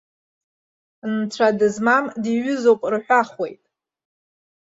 Нцәа дызмам диҩызоуп рҳәахуеит.